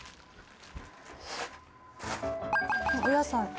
「お野菜。